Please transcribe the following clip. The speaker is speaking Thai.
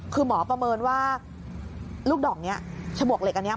คือหมอประเมินว่าลูกดอกนี้ฉมวกเหล็กอันนี้